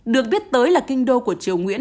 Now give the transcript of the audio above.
được biết tới là kinh đô của triều nguyễn